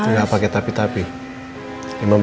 enggak pakai tapi tapi